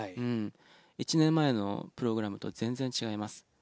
１年前のプログラムとは全然違います。